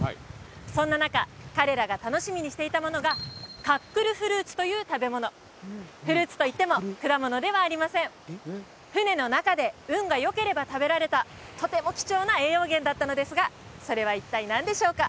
そんな中彼らが楽しみにしていたものがという食べ物フルーツといっても果物ではありません船の中で運がよければ食べられたとても貴重な栄養源だったのですがそれは一体何でしょうか？